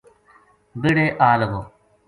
بہڑے آ لگو